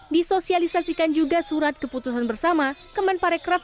disosialisasikan juga surat keputusan bersama kemenparekraf